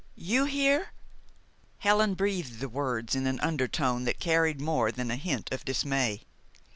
You here!" Helen breathed the words in an undertone that carried more than a hint of dismay.